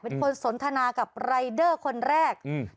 เป็นคนสนทนากับรายเดอร์คนแรกอืม